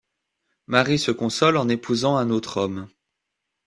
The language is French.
Mary se console en épousant un autre homme.